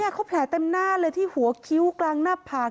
เขาแผลเต็มหน้าเลยที่หัวคิ้วกลางหน้าผาก